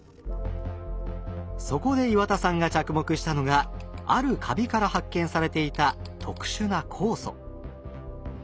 そこで岩田さんが着目したのがあるカビから発見されていた特殊な酵素。